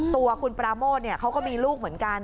ตัวคุณปราโมทเขาก็มีลูกเหมือนกัน